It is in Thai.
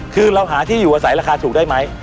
คือเราหาที่อยู่อาศัยราคาถูกได้ไหม